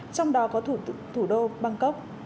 trong đó có thủ đô bangkok